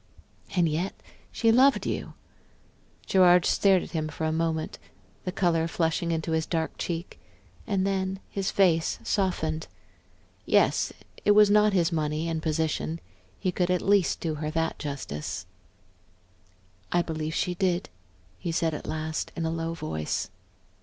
"And yet she loved you?" Gerard stared at him for a moment, the color flushing into his dark cheek. And then his face softened. Yes, it was not his money and position he could at least do her that justice. "I believe she did," he said at last in a low voice.